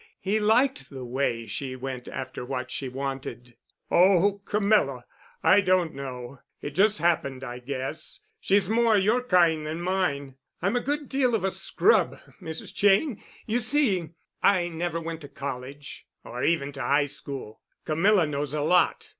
He liked the way she went after what she wanted. "Oh, Camilla—I don't know. It just happened, I guess. She's more your kind than mine. I'm a good deal of a scrub, Mrs. Cheyne. You see, I never went to college—or even to high school. Camilla knows a lot.